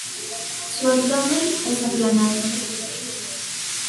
Su abdomen es aplanado.